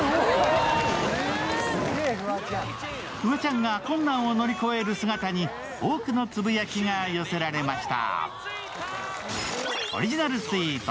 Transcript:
フワちゃんが困難を乗り越える姿に多くのつぶやきが寄せられました。